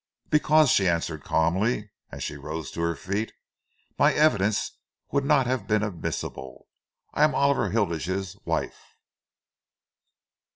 "Because," she answered calmly, as she rose to her feet, "my evidence would not have been admissible. I am Oliver Hilditch's wife."